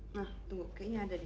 nah tunggu kayaknya ada dek